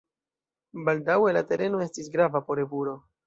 Baldaŭe la tereno estis grava por eburo.